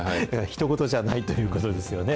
ひと事じゃないということですよね。